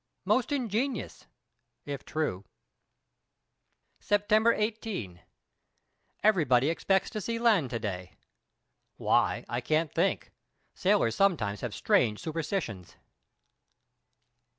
Most ingenious (if true). September 18. Everybody expects to see land to day. Why, I can't think. Sailors sometimes have strange superstitions.